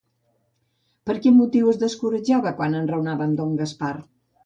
Per quin motiu es descoratjava quan enraonava amb don Gaspar?